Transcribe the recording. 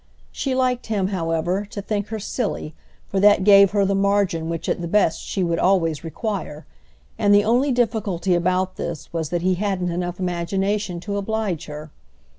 She liked him, however, to think her silly, for that gave her the margin which at the best she would always require; and the only difficulty about this was that he hadn't enough imagination to oblige her.